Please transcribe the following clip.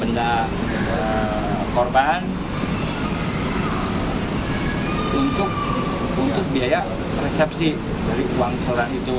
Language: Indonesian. denda korban untuk biaya resepsi dari uang solar itu